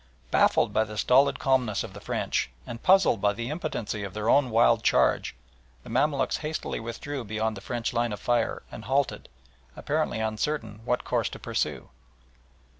Baffled by the stolid calmness of the French, and puzzled by the impotency of their own wild charge, the Mamaluks hastily withdrew beyond the French line of fire and halted, apparently uncertain what course to pursue.